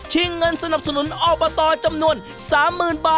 ที่เงินสนับสนุนออกมาต่อจำนวน๓๐๐๐๐บาทแล้วล่ะครับ